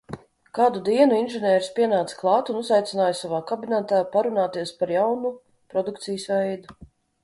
Kādu dienu inženieris pienāca klāt un uzaicināja savā kabinetā parunāties par jaunu produkcijas veidu.